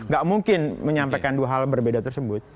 gak mungkin menyampaikan dua hal berbeda tersebut